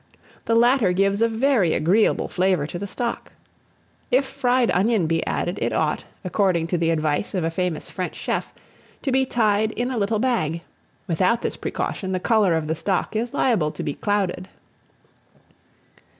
The latter gives a very agreeable flavour to the stock. If fried onion be added, it ought, according to the advice of a famous French chef, to be tied in a little bag: without this precaution, the colour of the stock is liable to be clouded.